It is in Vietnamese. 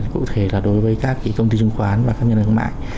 cụ thể là đối với các công ty chứng khoán và các nhân lực mạng